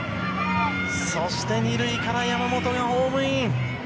そして、２塁から山本がホームイン。